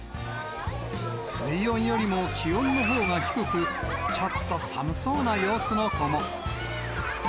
水温よりも気温のほうが低く、ちょっと寒そうな様子の子も。